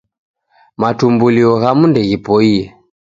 Matumbulio ghamu ndeghipoiye.